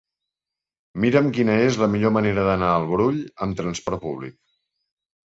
Mira'm quina és la millor manera d'anar al Brull amb trasport públic.